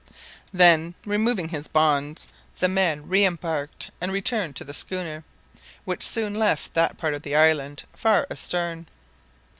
Then, removing his bonds, the men re embarked and returned to the schooner, which soon left that part of the island far astern.